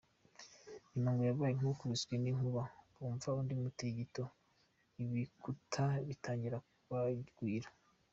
Nyuma ngo babaye nkabakubiswe n’inkuba bumva undi mutingito ibikuta bitangira kubagwira.